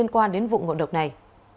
qua đến vụ ngộ độc này